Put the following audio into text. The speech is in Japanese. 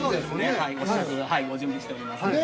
ご試食、ご準備しておりますので。